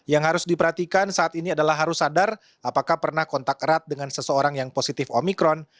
yang harus diperhatikan saat ini adalah harus sadar apakah pernah kontak erat dengan seseorang yang positif omikron